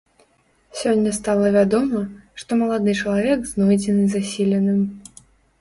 Сёння стала вядома, што малады чалавек знойдзены засіленым.